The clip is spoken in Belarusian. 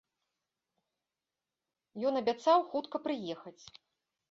Ён абяцаў хутка прыехаць.